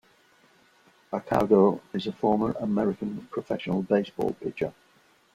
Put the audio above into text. Accardo is a former American professional baseball pitcher.